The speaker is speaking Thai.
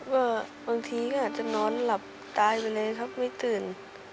ว่าบางทีก็อาจจะนอนหลับตายไปเลยครับไม่ตื่น